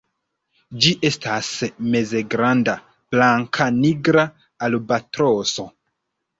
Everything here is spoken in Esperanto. Ĝi estas mezgranda blankanigra albatroso.